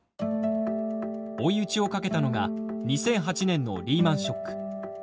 追い打ちをかけたのが２００８年のリーマンショック。